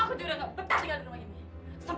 aku juga gak betul tinggal di rumah ini